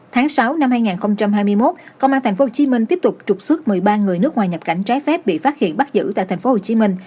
tháng sáu năm hai nghìn hai mươi một công an tp hcm tiếp tục trục xuất một mươi ba người nước ngoài nhập cảnh trái phép bị phát hiện bắt giữ tại tp hcm